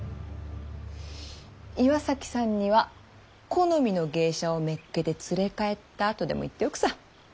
岩崎さんには「好みの芸者をめっけて連れ帰った」とでも言っておくさ。